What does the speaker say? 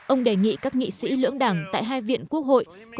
ông đề nghị các nghị sĩ lưỡng đảng tại hai viện quốc hội